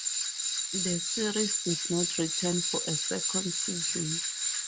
The series did not return for a second season.